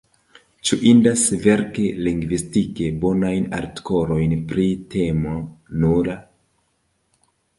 Ĉu indas verki lingvistike bonajn artikolojn pri temo nula?